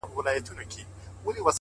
نوره گډا مه كوه مړ به مي كړې؛